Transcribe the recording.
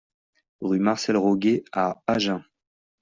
Rue Marcel Rogué à Agen